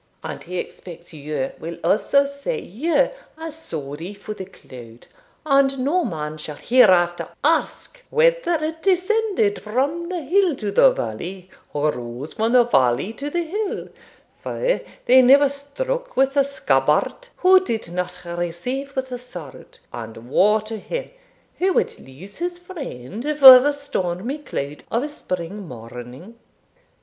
And he expects you will also say, you are sorry for the cloud, and no man shall hereafter ask whether it descended from the bill to the valley, or rose from the valley to the hill; for they never struck with the scabbard who did not receive with the sword, and woe to him who would lose his friend for the stormy cloud of a spring morning.'